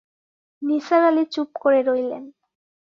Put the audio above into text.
নিসার আলি চুপ করে রইলেন!